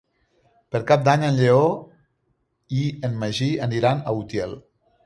Per Cap d'Any en Lleó i en Magí aniran a Utiel.